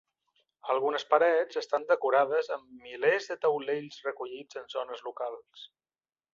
Algunes parets estan decorades amb milers de taulells recollits en zones locals.